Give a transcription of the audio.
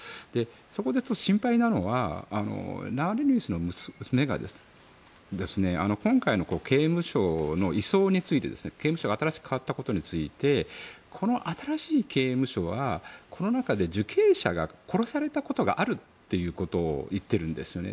そこで心配なのはナワリヌイ氏の娘が今回の刑務所の移送について刑務所が新しく変わったことについてこの新しい刑務所はこの中で受刑者が殺されたことがあるということを言ってるんですね。